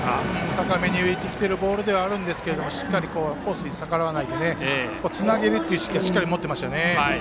高めに浮いてきているボールではあるんですがしっかりコースに逆らわないでつなげるという意識をしっかり持っていましたね。